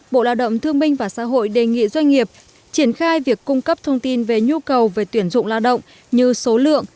bộ lao động thương minh và xã hội đề nghị doanh nghiệp triển khai việc cung cấp thông tin về nhu cầu về tuyển dụng lao động như số lượng